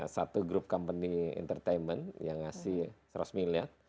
satu grup company entertainment yang ngasih seratus miliar